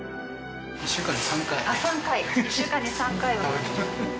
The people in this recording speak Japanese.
３回１週間に３回は。